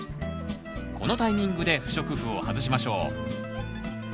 このタイミングで不織布を外しましょう。